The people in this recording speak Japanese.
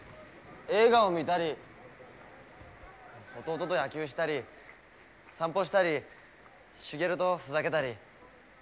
映画を見たり弟と野球したり散歩したり茂とふざけたり。